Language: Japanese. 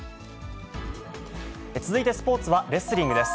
続いてスポーツはレスリングです。